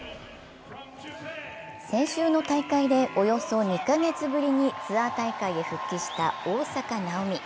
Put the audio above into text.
先週の大会でおよそ２カ月ぶりにツアー大会に復帰した大坂なおみ。